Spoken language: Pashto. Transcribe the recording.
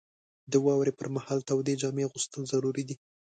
• د واورې پر مهال تودې جامې اغوستل ضروري دي.